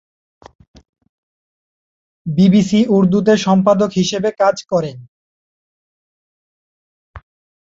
BBC উর্দুতে সম্পাদক হিসাবে কাজ করেন।